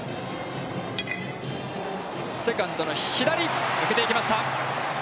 セカンドの左、抜けていきました。